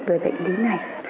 về bệnh lý này